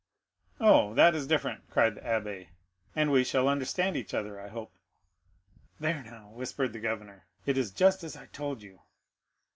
"Oh, that is different," cried the abbé; "and we shall understand each other, I hope." "There, now," whispered the governor, "it is just as I told you."